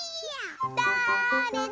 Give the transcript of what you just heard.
だれだ？